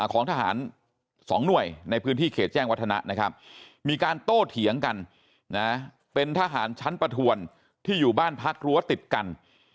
ของทหาร๒หน่วยในพื้นที่เขตแจ้งวัฒนะนะครับมีการโต้เถียงกันนะเป็นทหารชั้นประทวนที่อยู่บ้านพักรั้วติดกัน